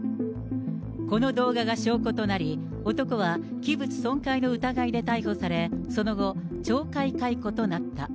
この動画が証拠となり、男は器物損壊の疑いで逮捕され、その後、懲戒解雇となった。